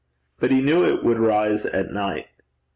But he knew it would rise at night.